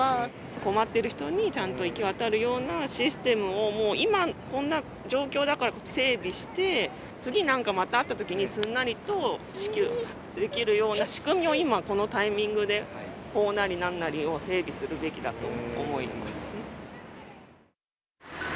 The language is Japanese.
困ってる人にちゃんと行き渡るようなシステムをもう今こんな状況だから整備して、次、なんかまたあったときに、すんなりと支給できるような仕組みを今、このタイミングで、法なりなんなりを整備するべきだと思います。